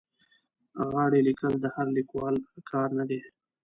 غاړې لیکل د هر لیکوال کار نه دی.